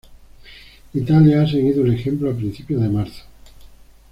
Italia ha seguido el ejemplo a principios de marzo.